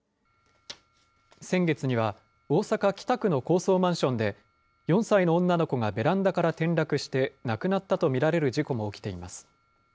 先月には、大阪・北区の高層マンションで、４歳の女の子がベランダから転落して亡くなったと見られる事故も起きています。